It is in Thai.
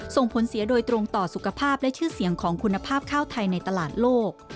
ส่งผลเสียโดยตรงต่อสุขภาพและชื่อเสียงของคุณภาพข้าวไทยในตลาดโลก